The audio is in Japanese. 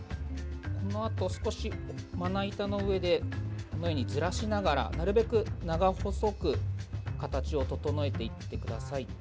このあと、少しまな板の上でずらしながらなるべく長細く形を整えていってください。